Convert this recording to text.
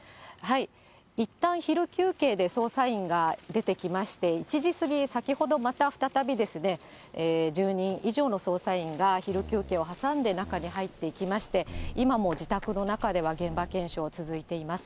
いったん昼休憩で捜査員が出てきまして、１時過ぎ、先ほどまた再びですね、１０人以上の捜査員が昼休憩を挟んで中に入っていきまして、今も自宅の中では現場検証が続いています。